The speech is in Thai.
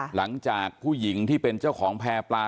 หลังจากผู้หญิงที่เป็นเจ้าของแพร่ปลา